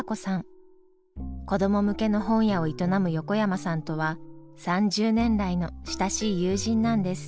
子ども向けの本屋を営む横山さんとは３０年来の親しい友人なんです。